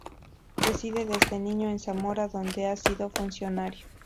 Reside desde niño en Zamora, donde ha sido funcionario.